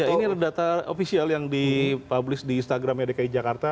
ini adalah data ofisial yang dipublish di instagram ydki jakarta